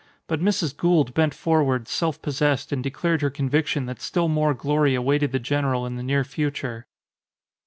But Mrs. Gould bent forward, self possessed, and declared her conviction that still more glory awaited the general in the near future.